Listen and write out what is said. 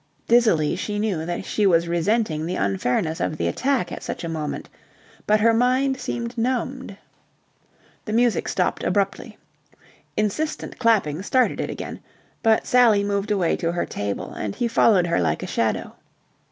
Dizzily she knew that she was resenting the unfairness of the attack at such a moment, but her mind seemed numbed. The music stopped abruptly. Insistent clapping started it again, but Sally moved away to her table, and he followed her like a shadow.